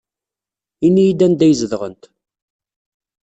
Ini-iyi-d anda ay zedɣent.